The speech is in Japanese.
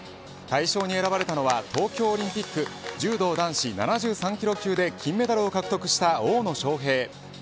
大賞に選ばれたのは東京オリンピック柔道男子７３キロ級で金メダルを獲得した大野将平。